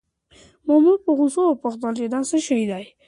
مامور په غوسه وپوښتل چې دا څه شی دی؟